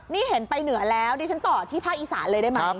นี่เห็นไปเหนือแล้วดิฉันต่อที่ภาคอีสานเลยได้ไหม